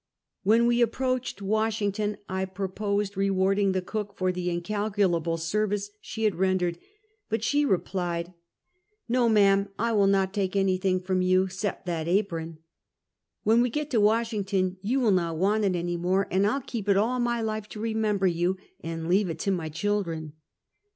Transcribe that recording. When we approached Washington, I proposed re warding the cook for the incalculable service she had rendered, but she replied: Take Final Leave of Fredekicxsburg. 353 " Ko, ma'am, I will not take anything from yon? 'cept that apron! When we get to Washington, you will not want it any more, an' I'll keep it all my life to remember yon, and leave it to my children!